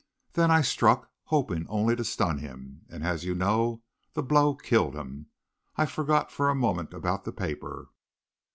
Then I struck, hoping only to stun him, and, as you know, the blow killed him. I forgot for a moment about the paper.